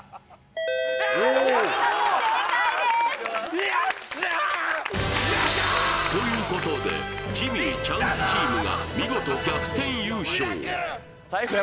お見事正解ですということでジミー・チャンスチームが見事逆転優勝ミラクル！